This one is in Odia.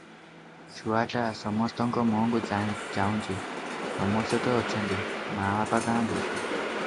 ଛୁଆଟା ସମସ୍ତଙ୍କ ମୁହଁକୁ ଚାହୁଁଛି--ସମସ୍ତେ ତ ଅଛନ୍ତି, ମା ବାପା କାହାନ୍ତି?